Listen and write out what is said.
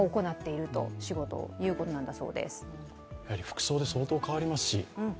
服装で相当変わりますし